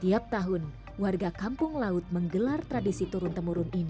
setiap tahun warga kampung laut menggelar tradisi turun temurun ini